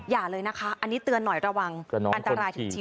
อย่าเลยนะคะอันนี้เตือนหน่อยระวังอันตรายจริง